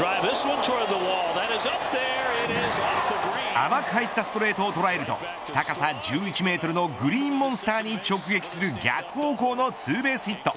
甘く入ったストレートを捉えると高さ１１メートルのグリーンモンスターに直撃する逆方向のツーベースヒット。